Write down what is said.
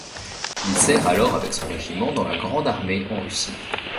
Il sert alors avec son régiment dans la Grande Armée en Russie.